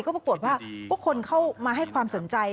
ก็ปรากฏว่าก็คนเข้ามาให้ความสนใจ